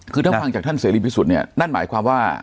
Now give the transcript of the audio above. คือถ้าฟังจากท่านเสรีพิสุทธิ์เนี่ยนั่นหมายความว่า